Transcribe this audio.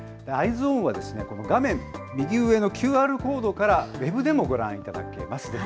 Ｅｙｅｓｏｎは、この画面右上のＱＲコードからウェブでもご覧いただけます。